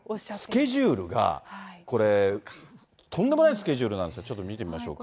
スケジュールがこれ、とんでもないスケジュールなんです、ちょっと見てみましょうか。